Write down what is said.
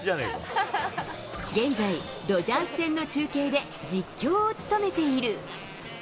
現在、ドジャース戦の中継で実況を務めている。